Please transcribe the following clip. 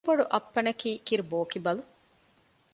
ކިރުބޮޑުއައްޕަނަކީ ކިރުބޯކިބަލު